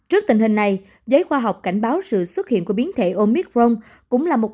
trước tình hình này giới khoa học cảnh báo sự xuất hiện của biến thể omicron cũng là một